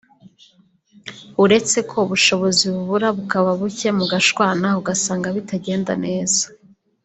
uretse ko ubushobozi bubura bukaba buke mugashwana ugasanga bitagenda neza